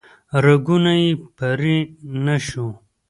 رګونه یې پرې نه شو